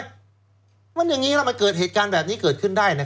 มันอย่างนี้มันขียงภาพเกิดหรือเกิดเกินได้